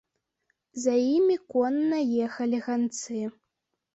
За імі конна ехалі ганцы.